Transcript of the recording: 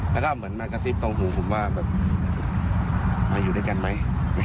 แล้วก็เหมือนมากระซิบตรงหูผมว่าแบบมาอยู่ด้วยกันไหม